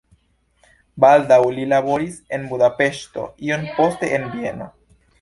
Baldaŭ li laboris en Budapeŝto, iom poste en Vieno.